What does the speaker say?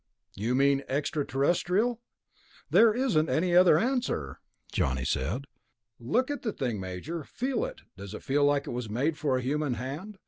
"You mean ... extraterrestrial?" "There isn't any other answer," Johnny said. "Look at the thing, Major. Feel it. Does it feel like it was made for a human hand?